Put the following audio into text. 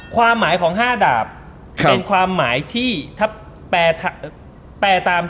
ความหมายของ๕ดาพ